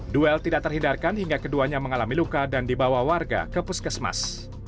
duel tidak terhindarkan hingga keduanya mengalami luka dan dibawa warga ke puskesmas